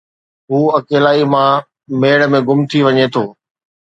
هُو اڪيلائيءَ مان ميڙ ۾ گم ٿي وڃي ٿو